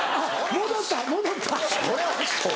戻った！